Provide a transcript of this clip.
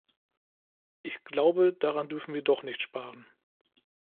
Ich glaube, daran dürfen wir doch nicht sparen.